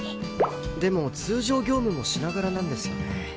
でも通常業務もしながらなんですよね。